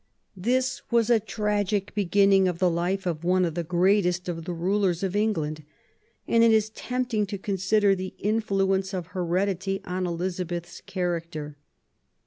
This was a tragic beginning of the life of one of the greatest of the rulers of England, and it is tempt ing to consider the influence of heredity on Elizabeth's character.